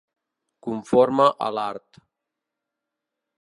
Conforme a l'art.